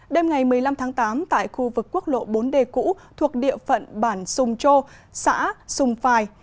đêm ngày một mươi năm tháng tám tại khu vực quốc lộ bốn d cũ thuộc địa phận bản sùng châu xã sùng phài